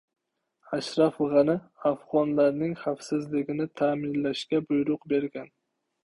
Ashraf G‘ani afg‘onlarning xavfsizligini ta’minlashga buyruq bergan